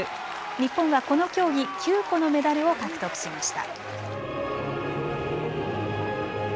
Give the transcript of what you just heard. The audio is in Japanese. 日本はこの競技９個のメダルを獲得しました。